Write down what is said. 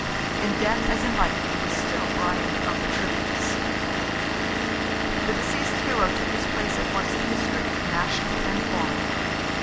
In death as in life he was still Brian "of the tributes." The deceased hero took his place at once in history, national and foreign.